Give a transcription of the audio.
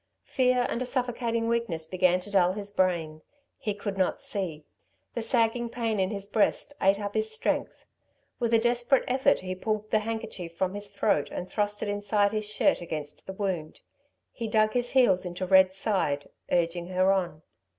Fear and a suffocating weakness began to dull his brain, he could not see. The sagging pain in his breast ate up his strength. With a desperate effort he pulled the handkerchief from his throat and thrust it inside his shirt against the wound. He dug his heels into Red's side, urging her on.